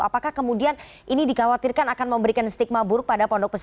apakah kemudian ini dikhawatirkan akan memberikan stigma buruk pada pondok pesantren